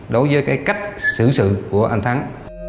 đối với cách xử sự của anh thắng